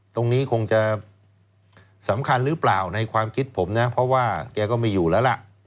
ตรงนี้คงจะสำคัญหรือเปล่าในความคิดผมนะเพราะว่าแกก็ไม่อยู่แล้วล่ะ